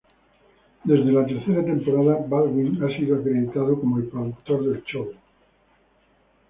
Desde la tercera temporada, Baldwin ha sido acreditado como productor del show.